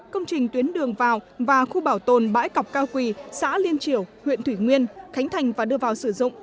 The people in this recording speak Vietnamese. công trình tuyến đường vào và khu bảo tồn bãi cọc cao quỳ xã liên triểu huyện thủy nguyên khánh thành và đưa vào sử dụng